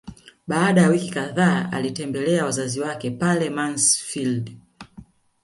Baada ya wiki kadhaa alitembelea wazazi wake pale Mansfeld